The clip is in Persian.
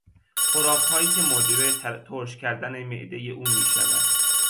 خوراکهایی که موجب ترش کردن معدهی او میشود